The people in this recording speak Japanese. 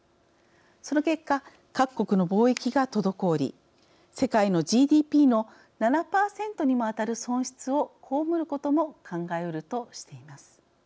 その結果各国の貿易が滞り世界のＧＤＰの７％にもあたる損失を被ることも考えうるとしています。